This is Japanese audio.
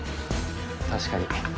確かに。